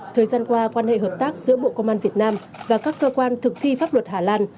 thời gian qua quan hệ hợp tác giữa bộ công an việt nam và các cơ quan thực thi pháp luật hà lan